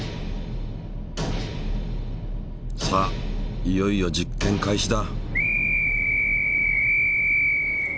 さあいよいよ実験開始だ。